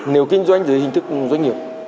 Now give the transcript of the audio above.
nếu kinh doanh dưới hình thức doanh nghiệp